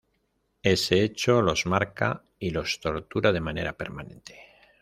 Ese hecho, los marca y los tortura de manera permanente.